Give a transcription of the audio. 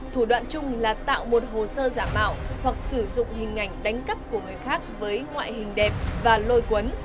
thủ đoạn chung là tạo một hồ sơ giả mạo hoặc sử dụng hình ảnh đánh cắp của người khác với ngoại hình đẹp và lôi quấn